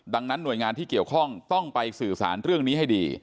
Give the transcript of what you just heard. ดังนั้นหน่วยงานที่เกี่ยวข้องต้องไปสื่อสารเรื่องนี้ให้ดี